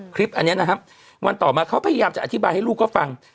คลิปอันนี้นะครับวันต่อมาเขาพยายามจะอธิบายให้ลูกเขาฟัง